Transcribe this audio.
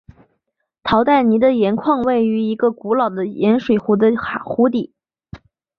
陶代尼的盐矿位于一个古老的咸水湖的湖底。